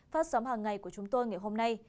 phát sóng hàng ngày của chúng tôi ngày hôm nay